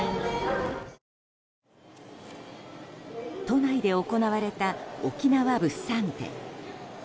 都内で行われた沖縄物産展。